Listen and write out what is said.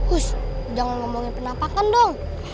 us jangan ngomongin penampakan dong